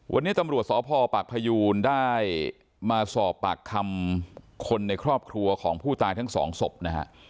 วันนี้ตำรวจสพปากพยูนได้มาสอบปากคำคนในครอบครัวของผู้ตายทั้งสองศพนะฮะ